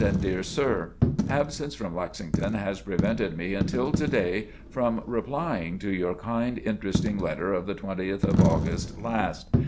AND DEAR SIR, Absence from Lexington has prevented me until to day from replying to your kind interesting letter of the 20th of August last.